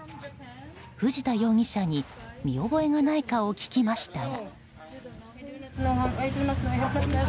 藤田容疑者に見覚えがないか聞きましたが。